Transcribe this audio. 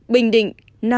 bình định năm